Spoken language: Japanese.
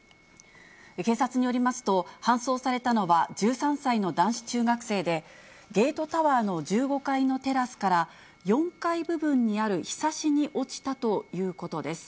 警察によりますと、搬送されたのは１３歳の男子中学生で、ゲートタワーの１５階のテラスから、４階部分にあるひさしに落ちたということです。